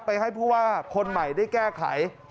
ให้ผู้ว่าคนใหม่ได้แก้ไข